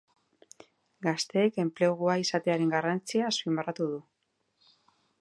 Gazteek enplegua izatearen garrantzia azpimarratu du.